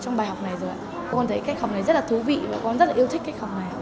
trong bài học này rồi con thấy cách học này rất là thú vị và con rất là yêu thích cách học này